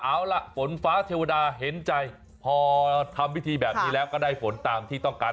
เอาล่ะฝนฟ้าเทวดาเห็นใจพอทำพิธีแบบนี้แล้วก็ได้ฝนตามที่ต้องการ